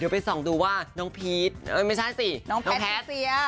พี่ผีชเออไม่ใช่สิน้องแพทย์เจีย